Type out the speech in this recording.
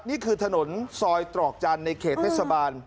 นี่คือถนนซอยตรอกจันทร์ในเขตเทศบาล